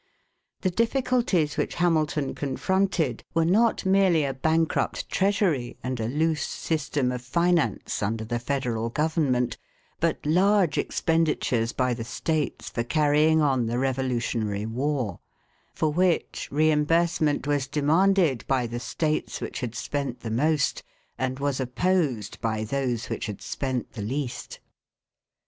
The difficulties which Hamilton confronted were not merely a bankrupt Treasury and a loose system of finance under the federal government, but large expenditures by the states for carrying on the Revolutionary War, for which reimbursement was demanded by the states which had spent the most and was opposed by those which had spent the least.